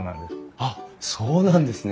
あっそうなんですね。